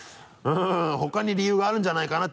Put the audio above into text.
うん他に理由があるんじゃないかな？